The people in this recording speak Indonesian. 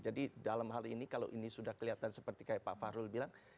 jadi dalam hal ini kalau ini sudah kelihatan seperti kayak pak fahrul bilang